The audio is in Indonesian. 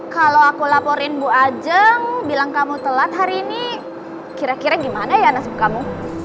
kalau aku laporin bu ajeng bilang kamu telat hari ini kira kira gimana ya nasib kamu